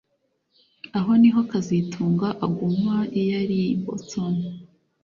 Aha niho kazitunga aguma iyo ari i Boston